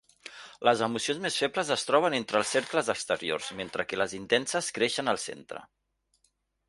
Les emocions més febles es troben entre els cercles exteriors, mentre que les intenses creixen al centre.